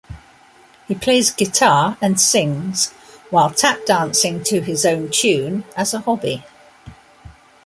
He plays guitar and sings, while tap-dancing to his own tune as a hobby.